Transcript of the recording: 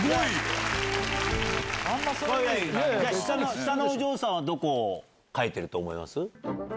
下のお嬢さんはどこを書いてると思います？